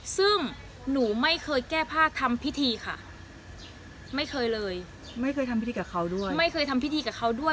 ซึ่งหนูไม่เคยแก้ผ้าทำพิธีค่ะไม่เคยเลยไม่เคยทำพิธีกับเขาด้วย